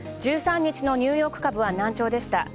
１３日のニューヨーク株は軟調でした。